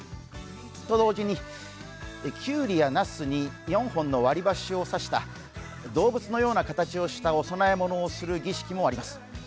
と同時に、きゅうりやなすに４本の割り箸を刺した動物のような形をしたお供え物をする儀式もあります。